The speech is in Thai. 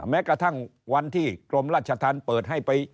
แม้กระทั่งวันที่กรมราชธรรมเปิดให้ไป